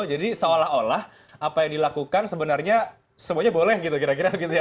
jadi seolah olah apa yang dilakukan sebenarnya semuanya boleh gitu kira kira gitu ya